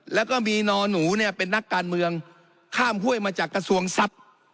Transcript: แล้วก็มีนอหนูเนี่ยเป็นนักการเมืองข้ามห้วยมาจากกระทรวงทรัพย์